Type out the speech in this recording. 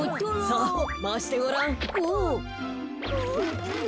さあまわしてごらん。